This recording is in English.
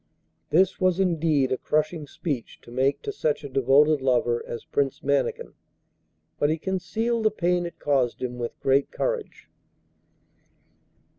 This was indeed a crushing speech to make to such a devoted lover as Prince Mannikin, but he concealed the pain it caused him with great courage.